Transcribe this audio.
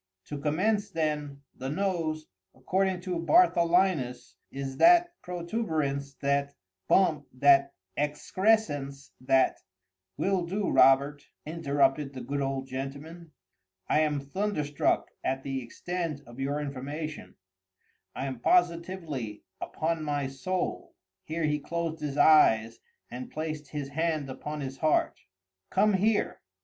To commence then:—The nose, according to Bartholinus, is that protuberance—that bump—that excrescence—that—" "Will do, Robert," interrupted the good old gentleman. "I am thunderstruck at the extent of your information—I am positively—upon my soul." [Here he closed his eyes and placed his hand upon his heart.] "Come here!"